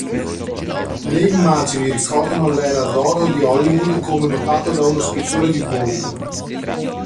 Le immagini ricordano l’era d’oro di Hollywood, come notato da uno scrittore di "Vogue".